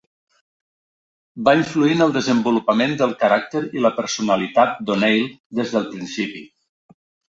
Va influir en el desenvolupament del caràcter i la personalitat d'O'Neill des del principi.